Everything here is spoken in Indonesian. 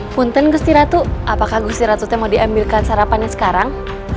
punten gusti ratu apakah gusti ratu mau diambilkan sarapannya sekarang